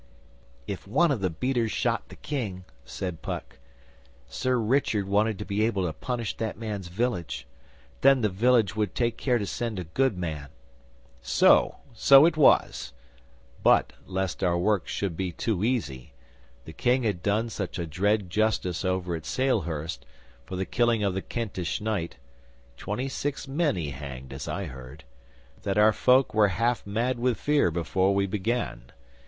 'If one of the beaters shot the King,' said Puck, 'Sir Richard wanted to be able to punish that man's village. Then the village would take care to send a good man.' 'So! So it was. But, lest our work should be too easy, the King had done such a dread justice over at Salehurst, for the killing of the Kentish knight (twenty six men he hanged, as I heard), that our folk were half mad with fear before we began.